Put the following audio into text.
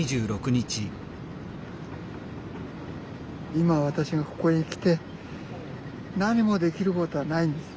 今私がここに来て何もできることはないんです。